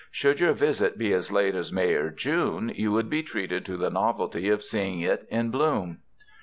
Should your visit be as late as May or June, you would be treated to the novelty of seeing it in bloom.